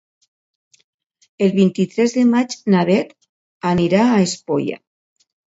El vint-i-tres de maig na Beth anirà a Espolla.